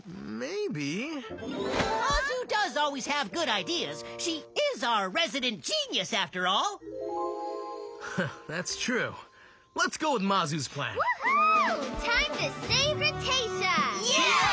イエーイ！